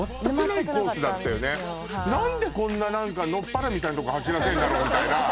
何でこんな何か野っぱらみたいなとこ走らせんだろうみたいな